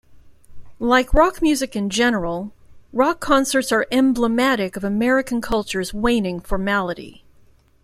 Like rock music in general, rock concerts are emblematic of American culture's waning formality.